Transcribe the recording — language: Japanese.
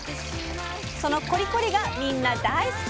そのコリコリがみんな大好き！